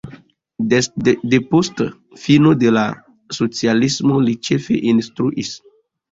Depost fino de la socialismo li ĉefe instruis.